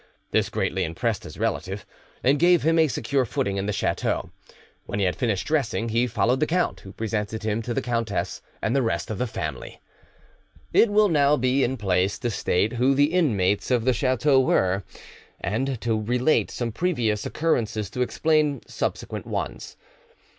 This greatly impressed his relative, and gave him a secure footing in the chateau. When he had finished dressing, he followed the count, who presented him to the countess and the rest of the family. It will now be in place to state who the inmates of the chateau were, and to relate some previous occurrences to explain subsequent ones.